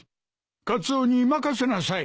カツオに任せなさい。